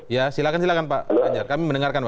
ya silahkan pak ganjar kami mendengarkan pak